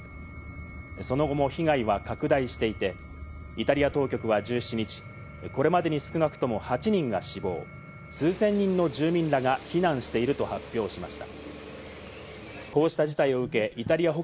その後も被害は拡大していて、イタリア当局は１７日、これまでに少なくとも８人が死亡、数千人の住民らが避難していると発表しました。